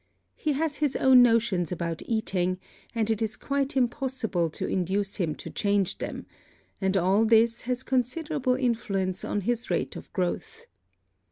He has his own notions about eating, and it is quite impossible to induce him to change them, and all this has considerable influence on his rate of growth.